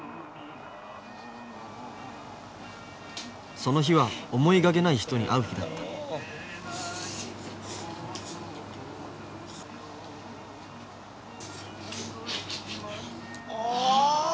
その日は思いがけない人に会う日だったあ！